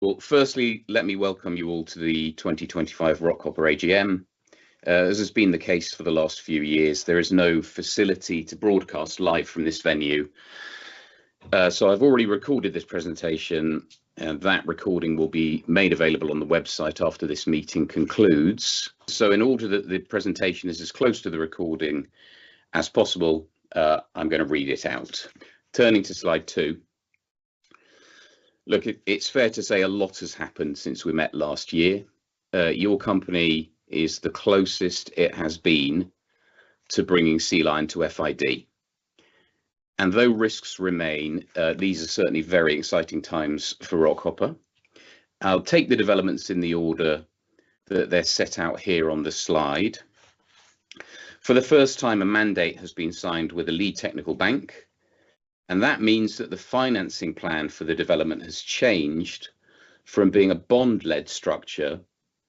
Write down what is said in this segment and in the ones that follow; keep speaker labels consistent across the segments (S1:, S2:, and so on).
S1: Well, firstly, let me welcome you all to the 2025 Rockhopper AGM. As has been the case for the last few years, there is no facility to broadcast live from this venue. I've already recorded this presentation, and that recording will be made available on the website after this meeting concludes. In order that the presentation is as close to the recording as possible, I'm going to read it out. Turning to slide two. Look, it's fair to say a lot has happened since we met last year. Your company is the closest it has been to bringing Sea Lion to FID. Though risks remain, these are certainly very exciting times for Rockhopper. I'll take the developments in the order that they're set out here on the slide. For the first time, a mandate has been signed with a lead technical bank, and that means that the financing plan for the development has changed from being a bond-led structure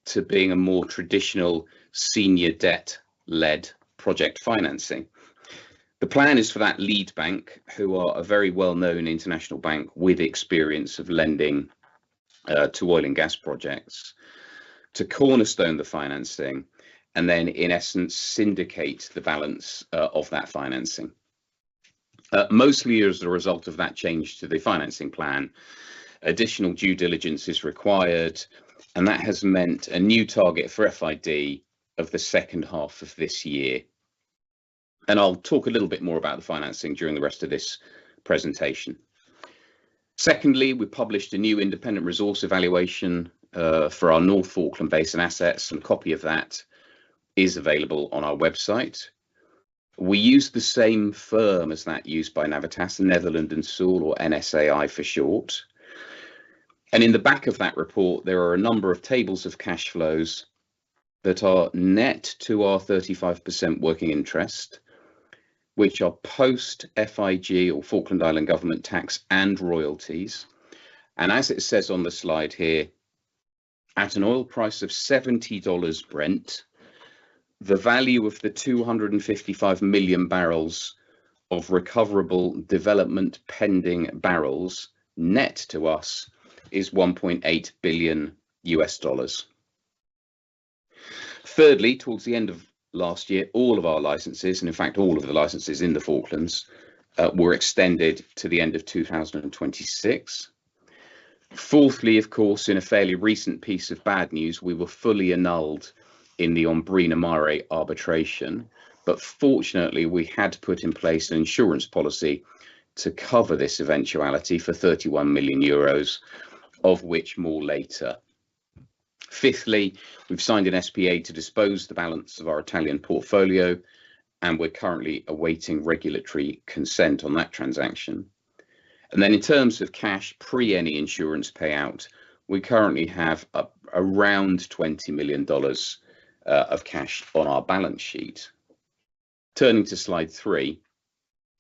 S1: to being a more traditional senior debt-led project financing. The plan is for that lead bank, who are a very well-known international bank with experience of lending to oil and gas projects, to cornerstone the financing and then, in essence, syndicate the balance of that financing. Mostly as the result of that change to the financing plan, additional due diligence is required, and that has meant a new target for FID of the second half of this year. I'll talk a little bit more about the financing during the rest of this presentation. Secondly, we published a new independent resource evaluation for our North Falkland Basin assets. A copy of that is available on our website. We use the same firm as that used by Navitas, Netherland, Sewell or NSAI for short. In the back of that report, there are a number of tables of cash flows that are net to our 35% working interest, which are post FIG, or Falkland Islands Government tax and royalties. As it says on the slide here, at an oil price of $70 Brent, the value of the 255 million bbl of recoverable development pending barrels net to us is $1.8 billion. Thirdly, towards the end of last year, all of our licenses, and in fact all of the licenses in the Falklands, were extended to the end of 2026. Fourthly, of course, in a fairly recent piece of bad news, we were fully annulled in the Ombrina Mare arbitration. Fortunately, we had put in place an insurance policy to cover this eventuality for 31 million euros, of which more later. Fifthly, we've signed an SPA to dispose the balance of our Italian portfolio, and we're currently awaiting regulatory consent on that transaction. Then in terms of cash pre any insurance payout, we currently have around $20 million of cash on our balance sheet. Turning to slide three.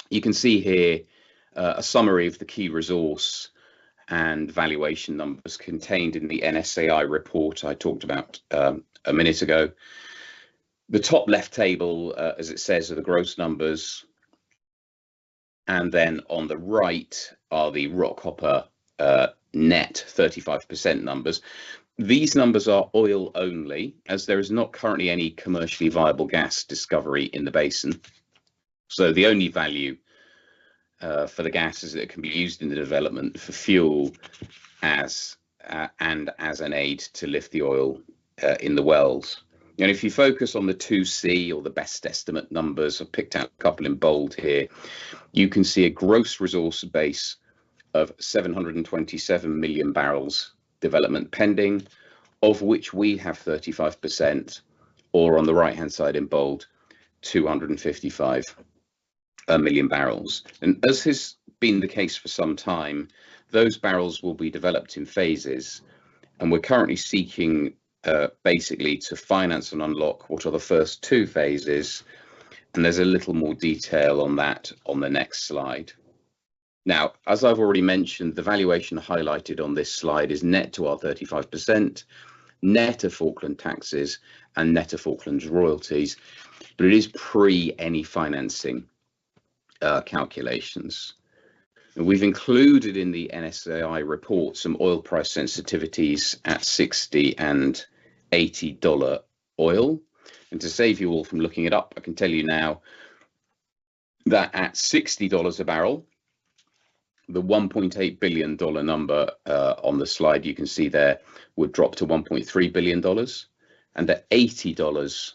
S1: You can see here a summary of the key resource and valuation numbers contained in the NSAI report I talked about a minute ago. The top left table, as it says, are the gross numbers, and then on the right are the Rockhopper net 35% numbers. These numbers are oil only as there is not currently any commercially viable gas discovery in the basin. The only value for the gas is it can be used in the development for fuel and as an aid to lift the oil in the wells. If you focus on the 2C or the best estimate numbers, I've picked out a couple in bold here, you can see a gross resource base of 727 million bbl development pending, of which we have 35%, or on the right-hand side in bold, 255 million bbl. As has been the case for some time, those barrels will be developed in phases. We're currently seeking basically to finance and unlock what are the first two phases, and there's a little more detail on that on the next slide. Now, as I've already mentioned, the valuation highlighted on this slide is net to our 35%, net of Falkland taxes and net of Falklands royalties, but it is pre any financing calculations. We've included in the NSAI report some oil price sensitivities at $60 and $80 oil. To save you all from looking it up, I can tell you now that at $60 a bbl, the $1.8 billion number on the slide you can see there would drop to $1.3 billion. At $80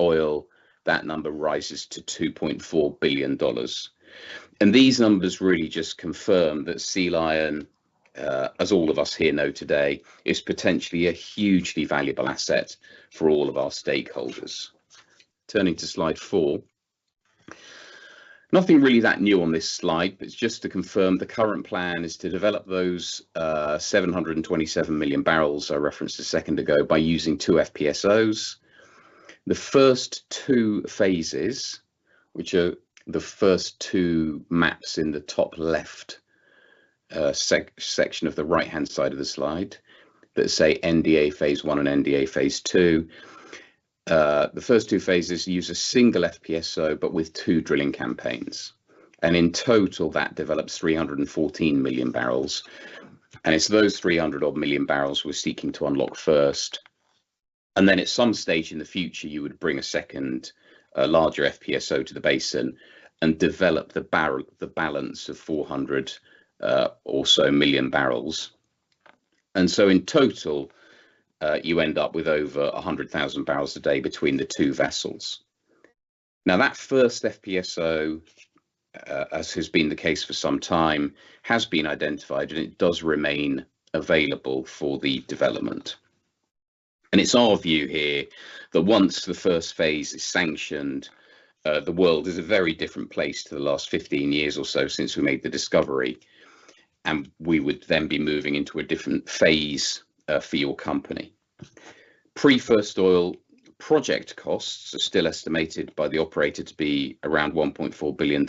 S1: oil, that number rises to $2.4 billion. These numbers really just confirm that Sea Lion, as all of us here know today, is potentially a hugely valuable asset for all of our stakeholders. Turning to slide four. Nothing really that new on this slide, but it's just to confirm the current plan is to develop those 727 million bbl I referenced a second ago by using two FPSOs. The first two phases, which are the first two maps in the top left section of the right-hand side of the slide that say NDA phase one and NDA phase two. The first two phases use a single FPSO, but with two drilling campaigns. In total, that develops 314 million bbl. It's those 300-odd million bbl we're seeking to unlock first. Then at some stage in the future, you would bring a second larger FPSO to the basin and develop the balance of 400 or so million bbl. So in total, you end up with over 100,000 bbl a day between the two vessels. Now that first FPSO, as has been the case for some time, has been identified, and it does remain available for the development. It's our view here that once the first phase is sanctioned, the world is a very different place to the last 15 years or so since we made the discovery, and we would then be moving into a different phase for your company. Pre-first oil project costs are still estimated by the operator to be around $1.4 billion,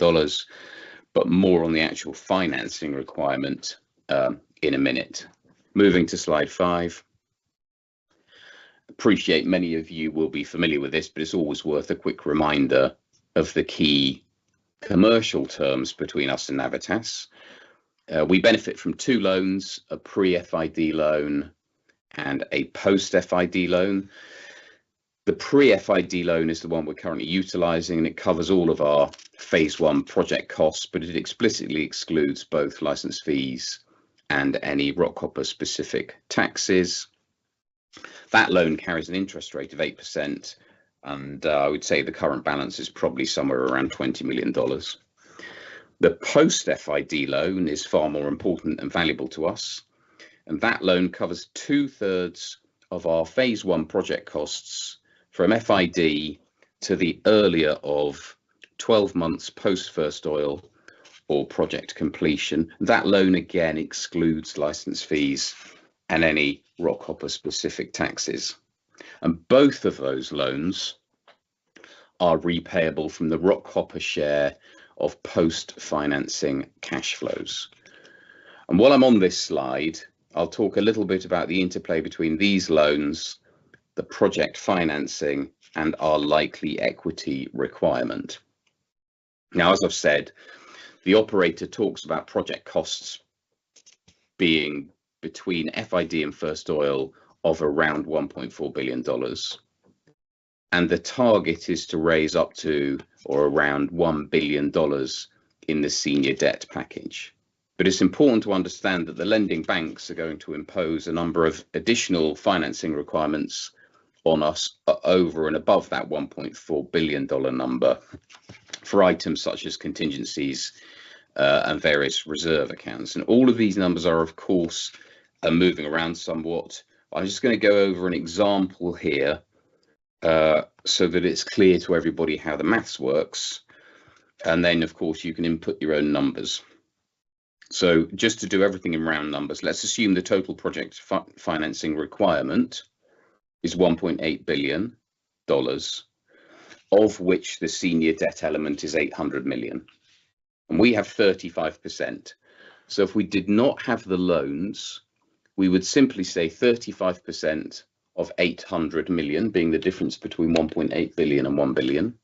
S1: but more on the actual financing requirement in a minute. Moving to slide five. I appreciate many of you will be familiar with this, but it's always worth a quick reminder of the key commercial terms between us and Navitas. We benefit from two loans, a pre-FID loan and a post-FID loan. The pre-FID loan is the one we're currently utilizing, and it covers all of our phase one project costs, but it explicitly excludes both license fees and any Rockhopper specific taxes. That loan carries an interest rate of 8%, and I would say the current balance is probably somewhere around $20 million. The post-FID loan is far more important and valuable to us, and that loan covers two-thirds of our phase one project costs from FID to the earlier of 12 months post first oil or project completion. That loan again excludes license fees and any Rockhopper specific taxes. Both of those loans are repayable from the Rockhopper share of post-financing cash flows. While I'm on this slide, I'll talk a little bit about the interplay between these loans, the project financing, and our likely equity requirement. Now, as I've said, the operator talks about project costs being between FID and first oil of around $1.4 billion, and the target is to raise up to or around $1 billion in the senior debt package. It's important to understand that the lending banks are going to impose a number of additional financing requirements on us over and above that $1.4 billion number for items such as contingencies and various reserve accounts. All of these numbers are, of course, moving around somewhat. I'm just going to go over an example here so that it's clear to everybody how the math works, and then, of course, you can input your own numbers. Just to do everything in round numbers, let's assume the total project financing requirement is $1.8 billion, of which the senior debt element is $800 million. We have 35%. If we did not have the loans, we would simply say 35% of $800 million, being the difference between $1.8 billion and $1 billion,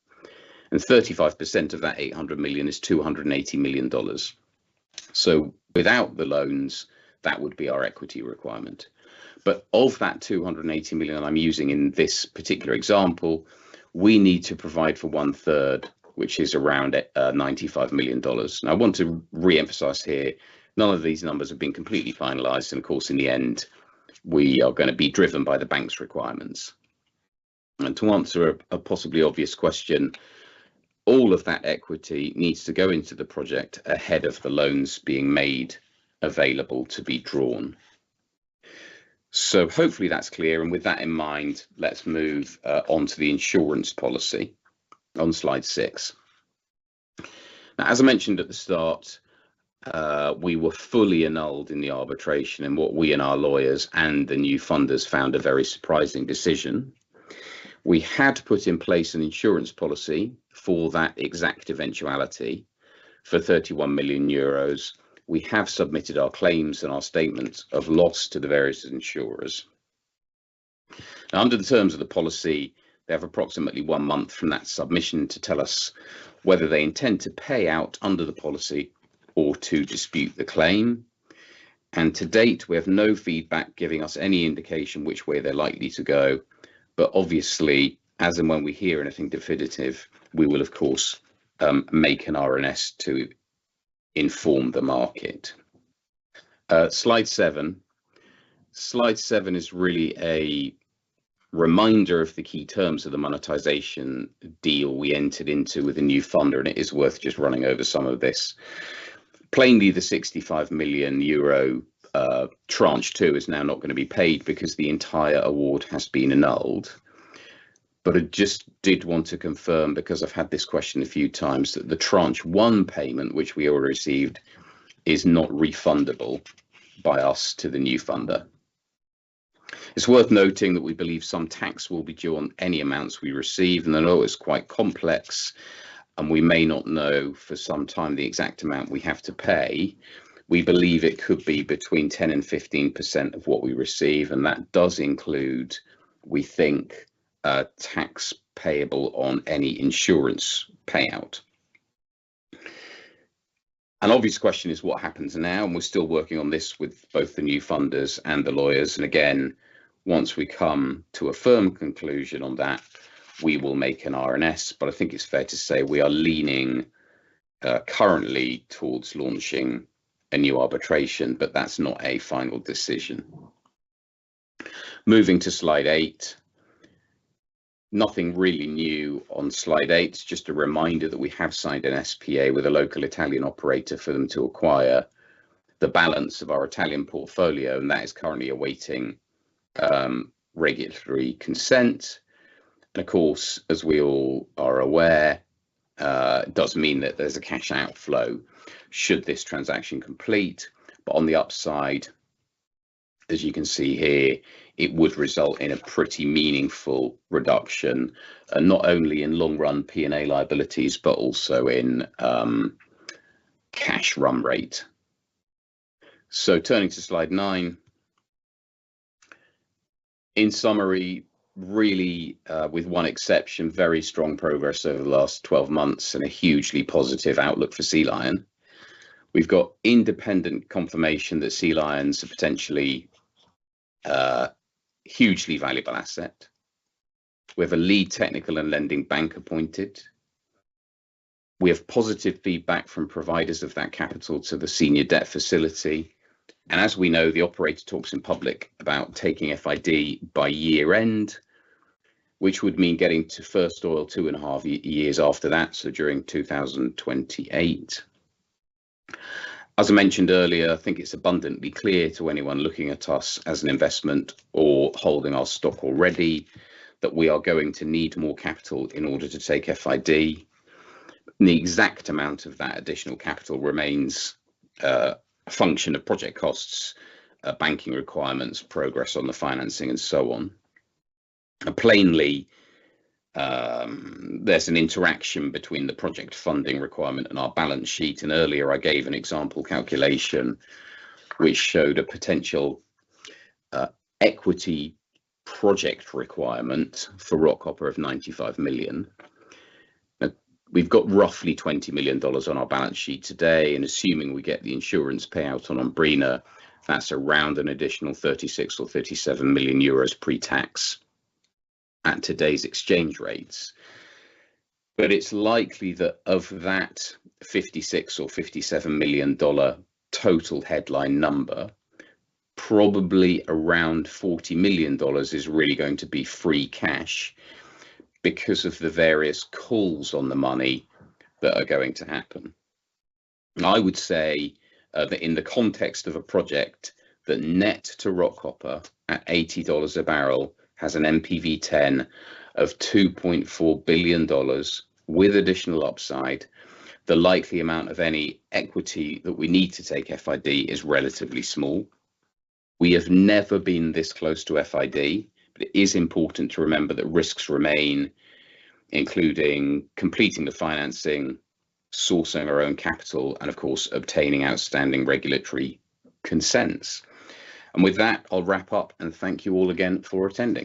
S1: and 35% of that $800 million is $280 million. Without the loans, that would be our equity requirement. Of that $280 million I'm using in this particular example, we need to provide for one-third, which is around $95 million. Now, I want to reemphasize here, none of these numbers have been completely finalized, and of course, in the end, we are going to be driven by the bank's requirements. To answer a possibly obvious question, all of that equity needs to go into the project ahead of the loans being made available to be drawn. Hopefully that's clear. With that in mind, let's move on to the insurance policy on slide six. Now, as I mentioned at the start, we were fully annulled in the arbitration and what we and our lawyers and the new funders found a very surprising decision. We had put in place an insurance policy for that exact eventuality for 31 million euros. We have submitted our claims and our statements of loss to the various insurers. Now, under the terms of the policy, they have approximately one month from that submission to tell us whether they intend to pay out under the policy or to dispute the claim. To date, we have no feedback giving us any indication which way they're likely to go. Obviously, as and when we hear anything definitive, we will of course make an RNS to inform the market. Slide seven. Slide seven is really a reminder of the key terms of the monetization deal we entered into with a new funder, and it is worth just running over some of this. Plainly, the 65 million euro tranche two is now not going to be paid because the entire award has been annulled. I just did want to confirm, because I've had this question a few times, that the tranche one payment which we already received is not refundable by us to the new funder. It's worth noting that we believe some tax will be due on any amounts we receive, and the law is quite complex. We may not know for some time the exact amount we have to pay. We believe it could be between 10%-15% of what we receive, and that does include, we think, tax payable on any insurance payout. An obvious question is what happens now? We're still working on this with both the new funders and the lawyers. Again, once we come to a firm conclusion on that, we will make an RNS. I think it's fair to say we are leaning currently towards launching a new arbitration, but that's not a final decision. Moving to slide eight. Nothing really new on slide eight, just a reminder that we have signed an SPA with a local Italian operator for them to acquire the balance of our Italian portfolio, and that is currently awaiting regulatory consent. Of course, as we all are aware, it does mean that there's a cash outflow should this transaction complete. On the upside, as you can see here, it would result in a pretty meaningful reduction, not only in long-run P&A liabilities, but also in cash run rate. Turning to slide nine. In summary, really, with one exception, very strong progress over the last 12 months and a hugely positive outlook for Sea Lion. We've got independent confirmation that Sea Lion's a potentially hugely valuable asset. We have a lead technical and lending bank appointed. We have positive feedback from providers of that capital to the senior debt facility. As we know, the operator talks in public about taking FID by year-end, which would mean getting to first oil two and a half years after that, so during 2028. As I mentioned earlier, I think it's abundantly clear to anyone looking at us as an investment or holding our stock already that we are going to need more capital in order to take FID. The exact amount of that additional capital remains a function of project costs, banking requirements, progress on the financing and so on. Plainly, there's an interaction between the project funding requirement and our balance sheet, and earlier I gave an example calculation which showed a potential equity project requirement for Rockhopper of $95 million. We've got roughly $20 million on our balance sheet today, and assuming we get the insurance payout on Ombrina Mare, that's around an additional 36 million or 37 million euros pre-tax at today's exchange rates. It's likely that of that $56 million or $57 million total headline number, probably around $40 million is really going to be free cash because of the various calls on the money that are going to happen. I would say that in the context of a project that net to Rockhopper at $80 a bbl has an NPV10 of $2.4 billion with additional upside. The likely amount of any equity that we need to take FID is relatively small. We have never been this close to FID, but it is important to remember that risks remain, including completing the financing, sourcing our own capital, and of course, obtaining outstanding regulatory consents. With that, I'll wrap up and thank you all again for attending.